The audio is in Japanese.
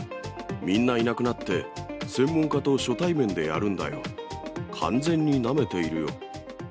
みんないなくなって、専門家と初対面でやるんだよ、完全になめているよ。